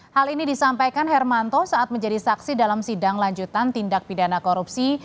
hal ini disampaikan hermanto saat menjadi saksi dalam sidang lanjutan tindak pidana korupsi